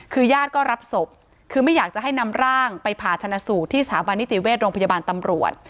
คือญาติก็รับศพคือไม่อยากจะให้นำร่างไปผ่าชนะสูตรที่สถาบันนิติเวชโรงพยาบาลตำรวจ